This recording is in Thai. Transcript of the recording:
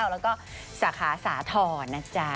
แล้วก็สาขาสาธรณ์นะจ๊ะ